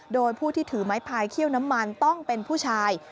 โดยผู้ที่ถือไม้พายเขี้ยวน้ำมันต้องเป็นผู้ชาย